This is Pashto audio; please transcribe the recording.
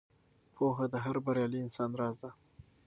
پوهه د هر بریالي انسان راز دی.